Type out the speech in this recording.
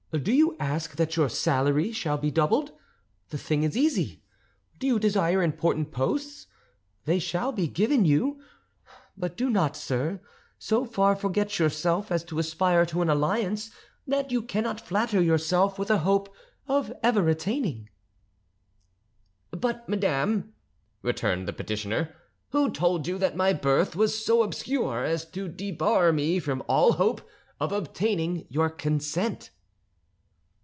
Do you ask that your salary shall be doubled? The thing is easy. Do you desire important posts? They shall be given you; but do not, sir, so far forget yourself as to aspire to an alliance that you cannot flatter yourself with a hope of ever attaining." "But, madame," returned the petitioner, "who told you that my birth was so obscure as to debar me from all hope of obtaining your consent?"